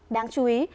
đáng chú ý